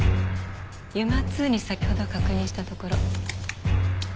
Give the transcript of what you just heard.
ＵＭＡ−Ⅱに先ほど確認したところ。